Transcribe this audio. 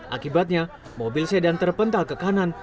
akibatnya mobil sedan terpental ke kanan